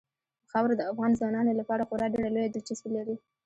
خاوره د افغان ځوانانو لپاره خورا ډېره لویه دلچسپي لري.